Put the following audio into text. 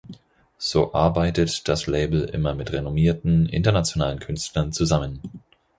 So arbeitet das Label immer mit renommierten, internationalen Künstlern zusammen.